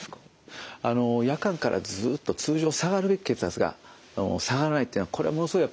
夜間からずっと通常下がるべき血圧が下がらないというのはこれものすごい